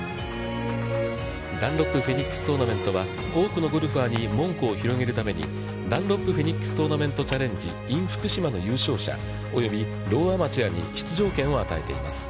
ダンロップフェニックストーナメントは、多くのゴルファーに門戸を広げるために、ダンロップフェニックストーナメントチャレンジｉｎふくしまの優勝者及びローアマチュアに出場権を与えています。